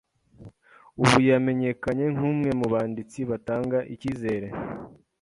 Ubu yamenyekanye nk'umwe mu banditsi batanga ikizere.